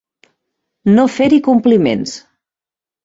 No fer-hi compliments.